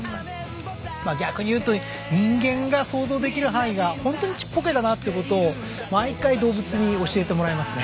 ま逆に言うと人間が想像できる範囲がほんとにちっぽけだなってことを毎回動物に教えてもらいますね。